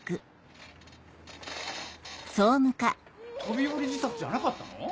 飛び降り自殺じゃなかったの？